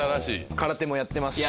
空手もやってますしね。